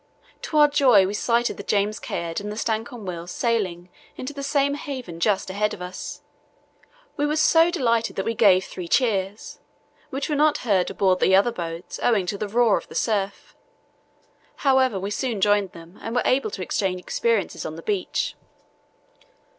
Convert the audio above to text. To our joy, we sighted the James Caird and the Stancomb Wills sailing into the same haven just ahead of us. We were so delighted that we gave three cheers, which were not heard aboard the other boats owing to the roar of the surf. However, we soon joined them and were able to exchange experiences on the beach."